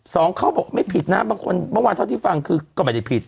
สองเขาบอกไม่ผิดนะบางคนบางวันเท่าที่ฟังคือก็ไม่ใช่ผิด